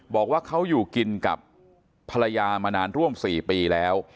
บอกว่าเขาอยู่กินกับภรรยามานานร่วม๔ปีแล้ว